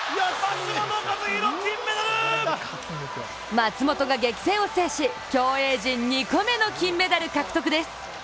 松元が激戦を制し競泳陣２個目の金メダル獲得です。